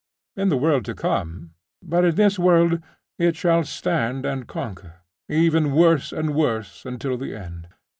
'In the world to come. But in this world it shall stand and conquer, even worse and worse, until the end.